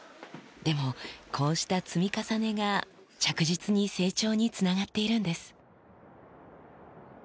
でも、こうした積み重ねが、着実に成長につながっているんです。